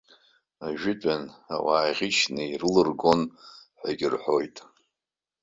Ажәытәан ауаа ӷьычны ирыларгон ҳәагьы рҳәоит.